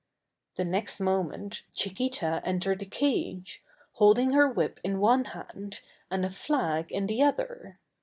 The next moment Chiquita entered the cage, holding her whip in one hand and a flag in the other.